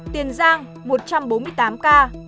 tiền giang một trăm bốn mươi tám ca